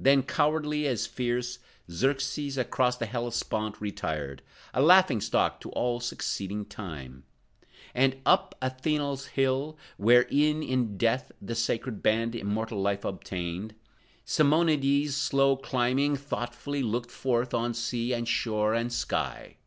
Then cowardly as fierce, Xerxes across the Hellespont retired, A laughing stock to all succeeding time; And up Anthela's hill, where, e'en in death The sacred Band immortal life obtained, Simonides slow climbing, thoughtfully, Looked forth on sea and shore and sky.